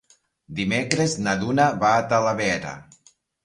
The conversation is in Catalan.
Dimecres na Duna va a Talavera.